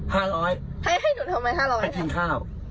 ๕๐๐ให้หนูทำไม๕๐๐ให้ชิมข้าว